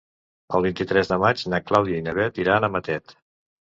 El vint-i-tres de maig na Clàudia i na Bet iran a Matet.